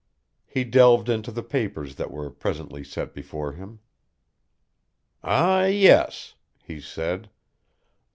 He delved into the papers that were presently set before him. "Ah, yes," he said.